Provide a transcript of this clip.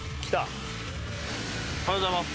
おはようございます。